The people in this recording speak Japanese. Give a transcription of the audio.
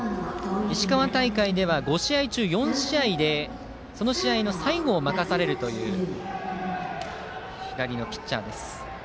石川大会では５試合中４試合でその試合の最後を任されるという左のピッチャーです。